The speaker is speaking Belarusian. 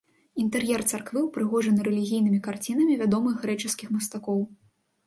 Інтэр'ер царквы ўпрыгожаны рэлігійнымі карцінамі вядомых грэчаскіх мастакоў.